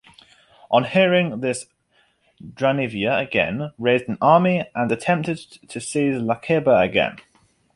On hearing this Dranivia again raised an army and attempted to seize Lakeba again.